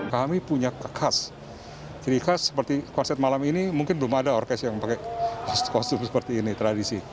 kami punya khas jadi khas seperti konsep malam ini mungkin belum ada orkes yang pakai kostum seperti ini tradisi